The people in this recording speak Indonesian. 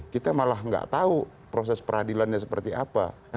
kita malah nggak tahu proses peradilannya seperti apa